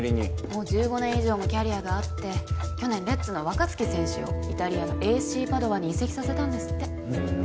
もう１５年以上もキャリアがあって去年レッズの若槻選手をイタリアのＡＣパドヴァに移籍させたんですってふん